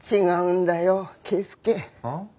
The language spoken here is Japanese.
ん？